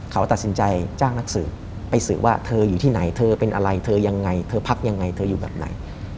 เขาตัดสินใจจ้างนักสืบไปสืบว่าเธออยู่ที่ไหนเธอเป็นอะไรเธอยังไงเธอพักยังไงเธออยู่แบบไหน